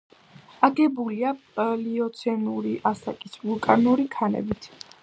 აგებულია პლიოცენური ასაკის ვულკანური ქანებით.